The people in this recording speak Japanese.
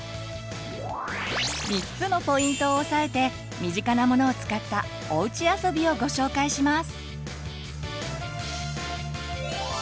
３つのポイントを押さえて身近なものを使ったおうちあそびをご紹介します。